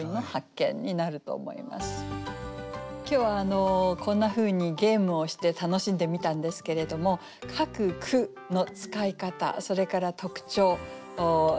それも今日はこんなふうにゲームをして楽しんでみたんですけれども各句の使い方それから特徴流れ